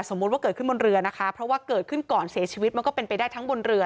ว่าเกิดขึ้นบนเรือนะคะเพราะว่าเกิดขึ้นก่อนเสียชีวิตมันก็เป็นไปได้ทั้งบนเรือ